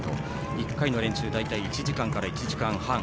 １回の練習大体１時間から１時間半。